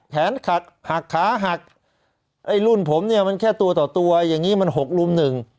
แขนขัดหักขาหักไอ้รุ่นผมเนี่ยมันแค่ตัวต่อตัวอย่างงี้มันหกลุมหนึ่ง